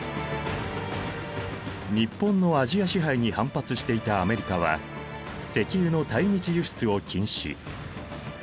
日本のアジア支配に反発していたアメリカは石油の対日輸出を禁止。